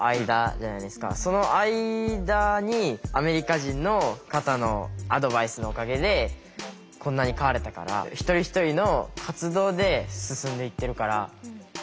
その間にアメリカ人の方のアドバイスのおかげでこんなに変われたから一人一人の活動で進んでいってるからそういうのは重要かなって。